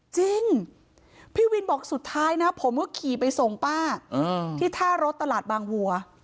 จริงพี่วินบอกสุดท้ายนะผมก็ขี่ไปส่งป้าที่ท่ารถตลาดบางวัว